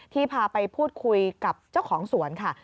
พาไปพูดคุยกับเจ้าของสวนค่ะ